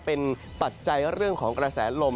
เป็นปัจจัยเรื่องของกระแสลม